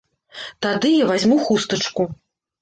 Тады я вазьму хустачку!